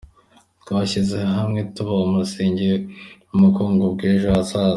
Twashyize hamwe twubaka umusingi w’ubukungu bw’ejo hazaza.